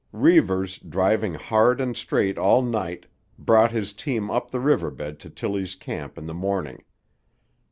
Reivers, driving hard and straight all night, brought his team up the river bed to Tillie's camp in the morning.